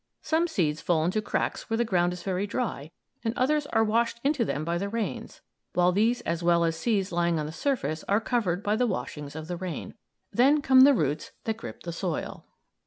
Some seeds fall into cracks where the ground is very dry and others are washed into them by the rains; while these as well as seeds lying on the surface are covered by the washings of the rain. Then come the roots that grip the soil.